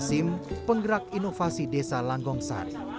sim penggerak inovasi desa langgong sari